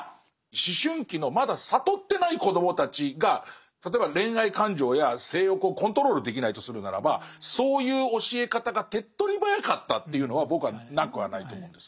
思春期のまだ覚ってない子どもたちが例えば恋愛感情や性欲をコントロールできないとするならばそういう教え方が手っとり早かったというのは僕はなくはないと思うんです。